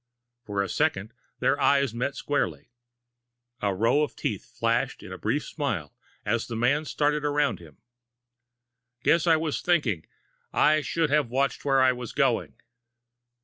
For a second, their eyes met squarely. A row of teeth flashed in a brief smile as the man started around him. "Guess I was thinking. Should have watched where I was going."